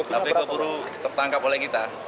tapi keburu tertangkap oleh kita